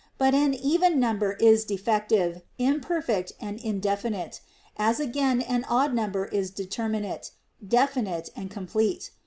But an even number is defective, imperfect, and indefinite ; as again an odd number is determinate, definite, and complete.